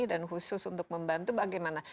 dan khusus untuk membantu bagaimana